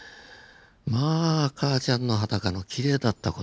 まあ母ちゃんの裸のきれいだった事。